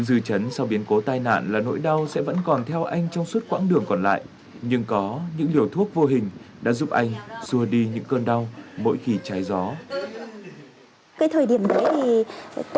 dư chấn sau biến cố tai nạn là nỗi đau sẽ vẫn còn theo anh trong suốt quãng đường còn lại nhưng có những điều thuốc vô hình đã giúp anh xua đi những cơn đau mỗi khi trái gió